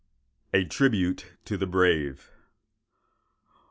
"A TRIBUTE TO THE BRAVE.